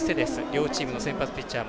両チームの先発ピッチャー